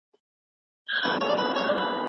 ګړنګ ته غېږ پرانیسته